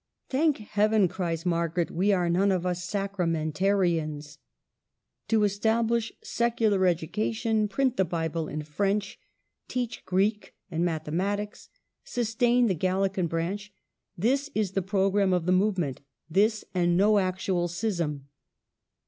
*' Thank heaven," cries Margaret, " we are none of us Sacramentarians !" To estab lish secular education, print the Bible in French, teach Greek and Mathematics, sustain the Gal ilean branch, — this is the programme of the movement; this, and no actual schism.